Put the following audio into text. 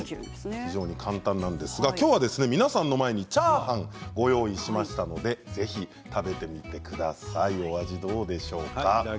非常に簡単なんですがきょうは皆さんの前にチャーハンをご用意しましたのでぜひ食べてみてください。